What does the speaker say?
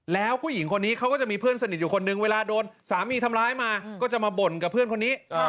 แล้วผู้หญิงคนนี้เขาก็จะมีเพื่อนสนิทอยู่คนนึงเวลาโดนสามีทำร้ายมาก็จะมาบ่นกับเพื่อนคนนี้